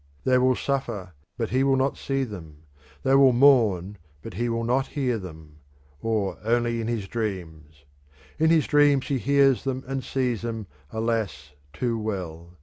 They will suffer, but he will not see them; they will mourn, but he will not hear them or only in his dreams. In his dreams he hears them and sees them, alas, too well.